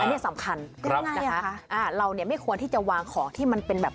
อันนี้สำคัญครับนะคะอ่าเราเนี่ยไม่ควรที่จะวางของที่มันเป็นแบบ